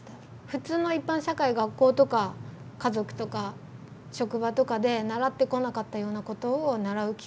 普通の一般社会学校とか家族とか職場とかで習ってこなかったようなことを習う機会になった。